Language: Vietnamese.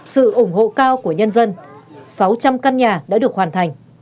sự ủng hộ cao của nhân dân sáu trăm linh căn nhà đã được hoàn thành